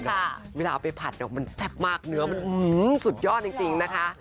แต่ว่าเวลาเอาไปผัดมันแซ่บมากเนื้อมันสุดยอดจริงนะคะ